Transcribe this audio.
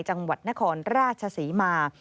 จังหวัดนครราชศรีมา